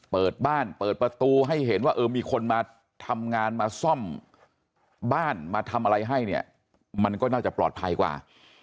เปิดบ้านเปิดประตูให้เห็นว่าเออมีคนมาทำงานมาซ่อมบ้านมาทำอะไรให้เนี่ยมันก็น่าจะปลอดภัยกว่า